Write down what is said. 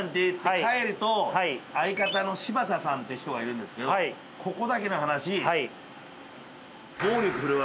相方の柴田さんって人がいるんですけどここだけの話。